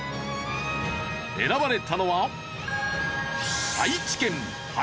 選ばれたのは。